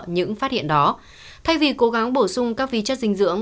những phát hiện đó thay vì cố gắng bổ sung các vi chất dinh dưỡng